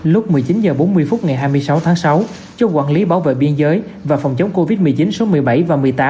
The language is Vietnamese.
lúc một mươi chín h bốn mươi phút ngày hai mươi sáu tháng sáu chốt quản lý bảo vệ biên giới và phòng chống covid một mươi chín số một mươi bảy và một mươi tám